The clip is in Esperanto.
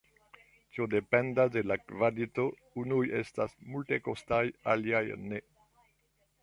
Tio dependas de la kvalito, unuj estas multekostaj, aliaj ne.